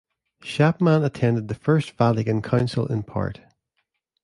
Schaepman attended the First Vatican Council in part.